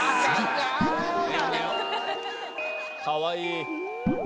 かわいい。